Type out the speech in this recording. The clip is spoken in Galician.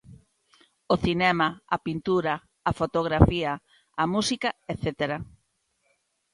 O cinema, a pintura, a fotografía, a música etcétera.